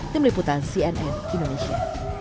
tim liputan cnn indonesia